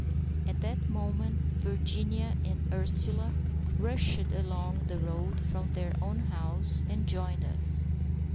At that moment Virginia and Ursula rushed along the road from their own house and joined us.